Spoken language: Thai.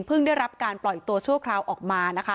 เพิ่งได้รับการปล่อยตัวชั่วคราวออกมา